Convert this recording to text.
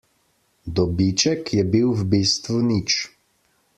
Dobiček je bil v bistvu nič.